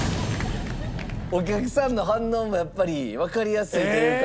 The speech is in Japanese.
お客さんの反応もやっぱりわかりやすいというか。